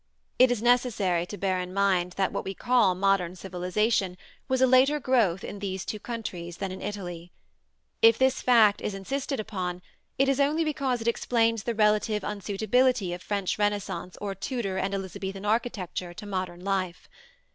It is necessary to bear in mind that what we call modern civilization was a later growth in these two countries than in Italy. If this fact is insisted upon, it is only because it explains the relative unsuitability of French Renaissance or Tudor and Elizabethan architecture to modern life.